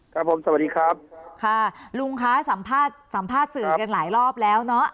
ครับผมสวัสดีครับค่ะลุงคะสัมภาษณ์สัมภาษณ์สื่อกันหลายรอบแล้วเนอะ